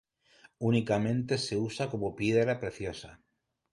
Únicamente se usa como piedra preciosa